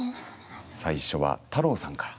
最初は太郎さんから。